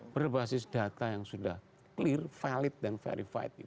berbasis data yang sudah clear valid dan verified